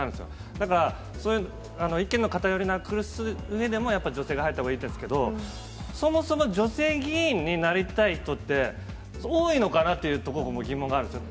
だから、意見の偏りなくすうえでも、やっぱ女性が入ったほうがいいんですけど、そもそも女性議員になりたい人って多いのかなというところも疑問確かに。